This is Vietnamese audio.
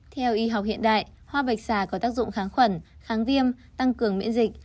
theo y học hiện đại hoa bạch xà có tác dụng kháng khuẩn kháng viêm tăng cường miễn dịch